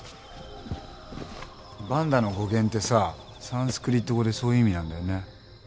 バンダの語源ってさサンスクリット語でそういう意味なんだよね。